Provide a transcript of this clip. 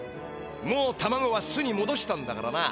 もうタマゴは巣にもどしたんだからな。